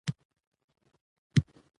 پېښور: دانش خپرندويه ټولنه، پېښور